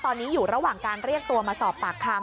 ตอนนี้อยู่ระหว่างการเรียกตัวมาสอบปากคำ